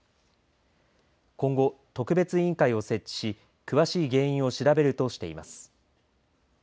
今後、特別委員会を設置し詳しい原因を調べるとしています。